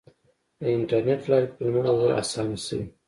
د انټرنیټ له لارې فلمونه لیدل اسانه شوي.